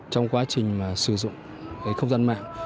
trong quá trình sử dụng không gian mạng